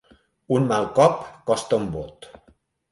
Un mal cop costa un bot.